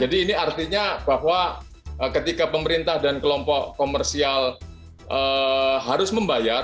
jadi ini artinya bahwa ketika pemerintah dan kelompok komersial harus membayar